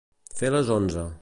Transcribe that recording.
Fer les onze.